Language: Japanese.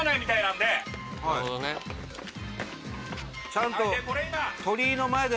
ちゃんと。